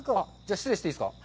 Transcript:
失礼していいですか。